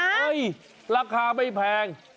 เฮ้ยราคาไม่แพง